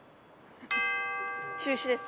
中止です。